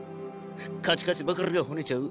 カチカチばかりが骨ちゃう。